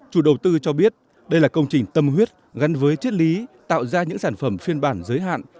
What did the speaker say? chủ đầu tư cho biết đây là công trình tâm huyết gắn với chất lý tạo ra những sản phẩm phiên bản giới hạn